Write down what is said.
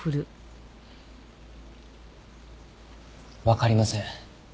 わかりません。